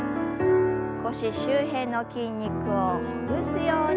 腰周辺の筋肉をほぐすように。